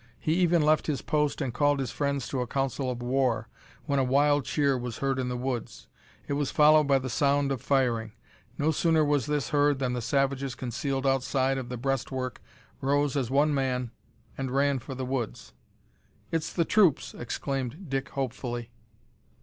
He even left his post and called his friends to a council of war, when a wild cheer was heard in the woods. It was followed by the sound of firing. No sooner was this heard than the savages concealed outside of the breastwork rose as one man and ran for the woods. "It's the troops!" exclaimed Dick hopefully.